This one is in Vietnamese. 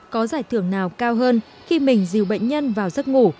có giải thưởng nào cao hơn khi mình dìu bệnh nhân vào giấc ngủ